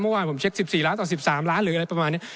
เมื่อวานผมเช็ค๑๔ล้านต่อ๑๓ล้านหรืออะไรประมาณนี้